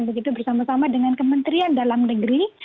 begitu bersama sama dengan kementerian dalam negeri